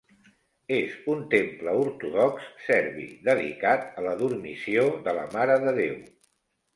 És un temple ortodox serbi, dedicat a la Dormició de la Mare de Déu.